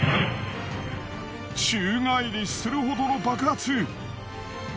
宙返りするほどの爆発。